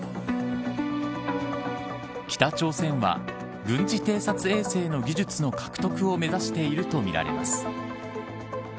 北朝鮮は、軍事偵察衛星の技術の獲得を目指しているとみられます。